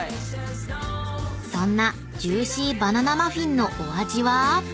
［そんなジューシーバナナマフィンのお味は？］